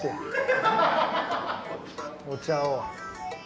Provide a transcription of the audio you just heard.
お茶を。